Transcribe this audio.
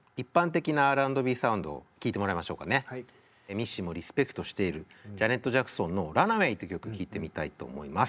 ミッシーもリスペクトしているジャネット・ジャクソンの「Ｒｕｎａｗａｙ」って曲聴いてみたいと思います。